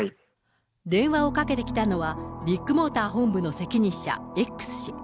電話をかけてきたのは、ビッグモーター本部の責任者、Ｘ氏。